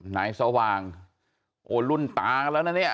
นายสว่างโอ้รุ่นตากันแล้วนะเนี่ย